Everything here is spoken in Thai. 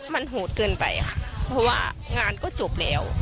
มันโหดเกินไปค่ะเพราะว่างานก็จบแล้ว